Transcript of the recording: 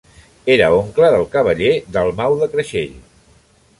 Era oncle del cavaller Dalmau de Creixell.